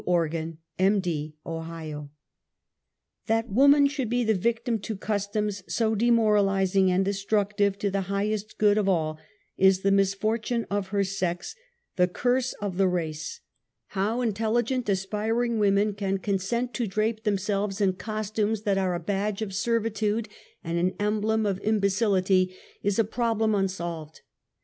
Organ, M. D., Ohio. That woman should be the victim to customs so demoralizing and destructive to the highest good of all is the misfortune of her sex, the curse of the race. How intelligent aspiring women can consent to 96 UNMASKED. drape themselves in costumes that are a badge of servitude and an emblem of imbecility is a problem unsolved.